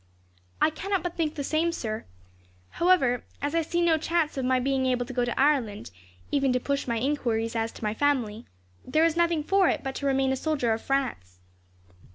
"I cannot but think the same, sir. However, as I see no chance of my being able to go to Ireland, even to push my enquiries as to my family, there is nothing for it but to remain a soldier of France."